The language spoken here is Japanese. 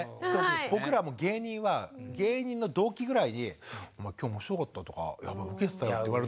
僕らも芸人は芸人の同期ぐらいに「お前今日面白かったよ」とか「お前ウケてたよ」って言われると。